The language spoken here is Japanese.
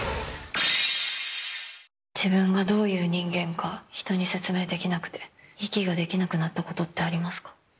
自分がどういう人間か人に説明できなくて息ができなくなったことってありますか？